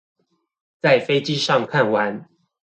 在飛機上看完